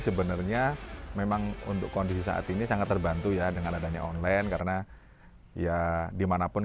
sebenarnya memang untuk kondisi saat ini sangat terbantu ya dengan adanya online karena ya dimanapun